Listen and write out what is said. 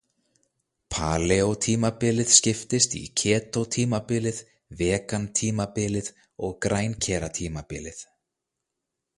Paleótímabilið skiptist í ketótímabilið, vegantímabilið og grænkeratímabilið.